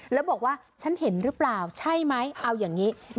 แล้วบอกว่าฉันเห็นหรือเปล่าใช่ไหมเอาอย่างนี้